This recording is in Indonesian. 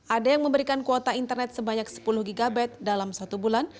ada yang memberikan kuota internet sebanyak sepuluh gb dalam satu bulan